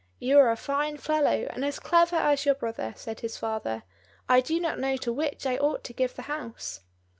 "You are a fine fellow, and as clever as your brother," said his father; "I do not know to which I ought to give the house."